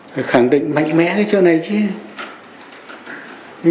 phải khẳng định mạnh mẽ cái chỗ này chứ